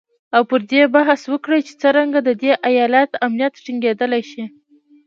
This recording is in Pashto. او پر دې بحث وکړي چې څرنګه د دې ایالت امنیت ټینګیدلی شي